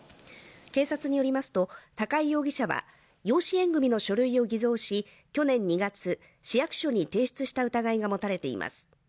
警察によりますと高井容疑者は養子縁組の書類を偽造し去年２月、市役所に提出した疑いが持たれています。